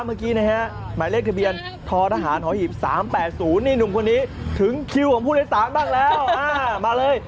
มิตเตอร์หรือเปล่า